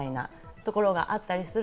ところがあったりする。